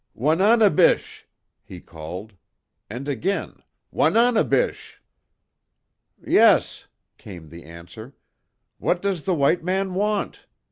"Wananebish!" he called. And again, "Wananebish!" "Yes," came the answer, "What does the white man want?"